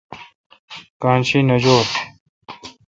کان شی نہ جولہ۔